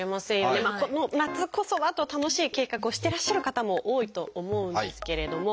この夏こそはと楽しい計画をしてらっしゃる方も多いと思うんですけれども。